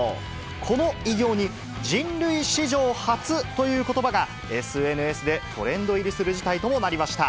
この偉業に、人類史上初ということばが、ＳＮＳでトレンド入りする事態ともなりました。